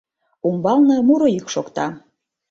Умбалне муро йӱк шокта.